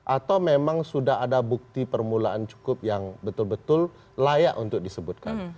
atau memang sudah ada bukti permulaan cukup yang betul betul layak untuk disebutkan